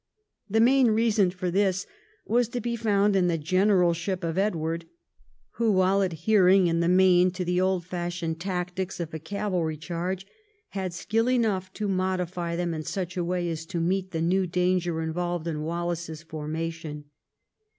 The main reason for this was to be found in the generalship of Edward, who while adhering in the main to the old fashioned tactics of a cavalry charge, had skill enough to modify them in such a way as to meet the new danger involved in Wallace's formation.